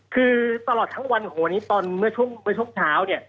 คือตลอดทั้งวันโหนี้ตอนเมื่อช่วงเช้าเนี่ย